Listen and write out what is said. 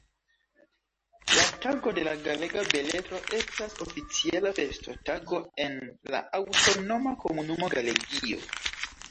La Tago de la Galega Beletro estas oficiala festotago en la aŭtonoma komunumo Galegio.